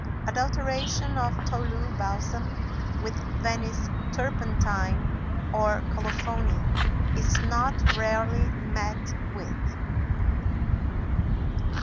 Adulteration of Tolu balsam with Venice turpentine or colophony is not rarely met with.